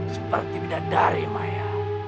seperti bidadari maya